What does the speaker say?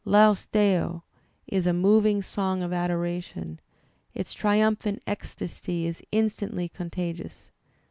'^Laus Deo'' is a moving song of adoration; its triumphant ecstasy is instantly contagious.